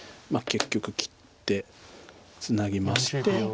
結局切ってツナぎまして。